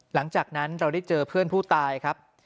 หลังจากนั้นเราได้เจอเพื่อนผู้ตายครับ